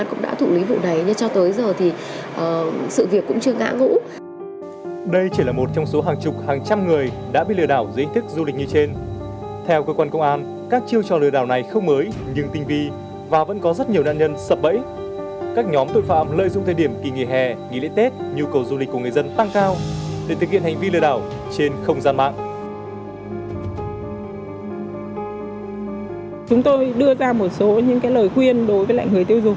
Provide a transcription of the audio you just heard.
chúng tôi đưa ra một số những lời khuyên đối với người tiêu dùng